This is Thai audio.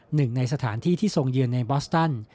หนึ่งในสถานที่ที่ทรงเยือนในบอสตัน